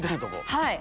はい。